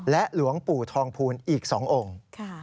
หลวงปู่ทองภูลอีก๒องค์